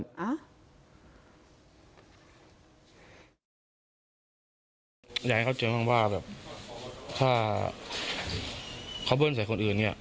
อยากให้เข้าใจบ้างว่าแบบถ้าเขาเบิ้ลใส่คนอื่นเนี่ย